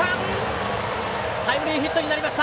タイムリーヒットになりました。